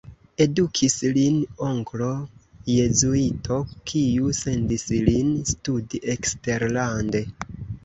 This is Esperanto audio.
Edukis lin onklo jezuito, kiu sendis lin studi eksterlande.